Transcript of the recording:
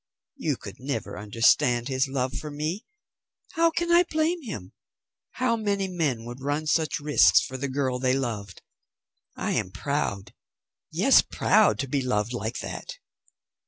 You could never understand his love for me. How can I blame him? How many men would run such risks for the girl they loved? I am proud, yes proud, to be loved like that!"